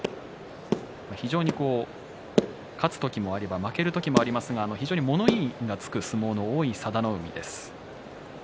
非常に勝つ時もあれば負ける時もありますが非常に物言いのつく相撲の多い佐田の海です。